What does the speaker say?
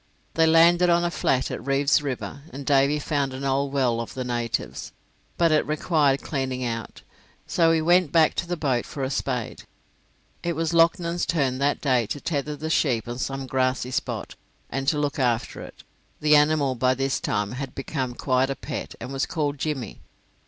They landed on a flat at Reeve's River, and Davy found an old well of the natives, but it required cleaning out, so he went back to the boat for a spade. It was Loughnan's turn that day to tether the sheep on some grassy spot, and to look after it; the animal by this time had become quite a pet, and was called Jimmy.